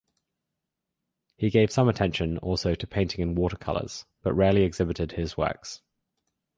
He gave some attention also to painting in watercolors, but rarely exhibited his works.